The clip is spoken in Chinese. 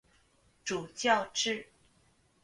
主教制。